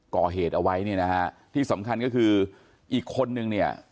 ก่อเหตุเอาไว้เนี่ยนะฮะที่สำคัญก็คืออีกคนนึงเนี่ย